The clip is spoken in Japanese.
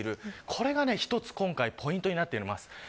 これが一つ今回ポイントになっています。